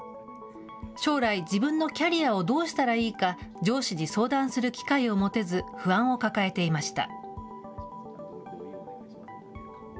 将来、自分のキャリアをどうしたらいいか、上司に相談する機会を持てず、不安を抱えていました。